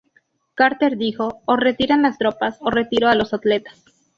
Carter dijo: "O retiran las tropas... o retiro a los atletas".